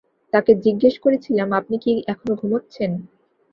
তাঁকে জিগ্যেস করেছিলাম, আপনি কি এখনো ঘুমুচ্ছেন?